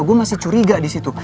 gue masih curiga disitu